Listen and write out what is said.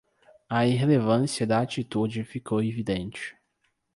A irrelevância da atitude ficou evidente